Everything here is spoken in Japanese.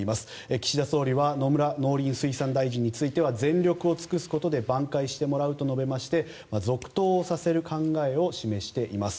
岸田総理は野村農水大臣について全力を尽くすことで挽回をしてもらうということで続投させる考えを示しています。